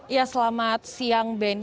ya selamat siang benny